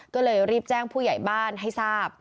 ก็เลยรีบแจ้งผู้ใหญ่บ้านให้ทราบ